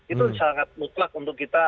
itu sangat mutlak untuk kita